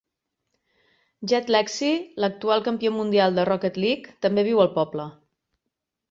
Jed Lexy, l'actual campió mundial de Rocket League també viu al poble.